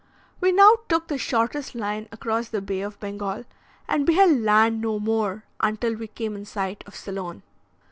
We now took the shortest line across the Bay of Bengal, and beheld land no more until we came in sight of Ceylon.